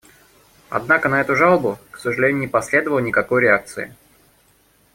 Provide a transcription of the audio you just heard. Однако на эту жалобу, к сожалению, не последовало никакой реакции.